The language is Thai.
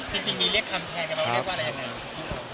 จริงนี่เรียกคำแทนเราเรียกว่าอะไรอันนั้น